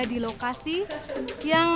di lokasi yang